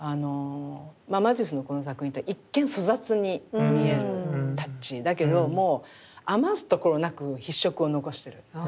マティスのこの作品って一見粗雑に見えるタッチだけども余すところなく筆触を残してる。